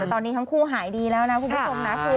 แต่ตอนนี้ทั้งคู่หายดีแล้วนะคุณผู้ชมนะคือ